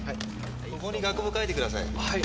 ここに学部を書いてください。